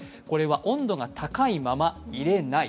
温度が高いまま入れない。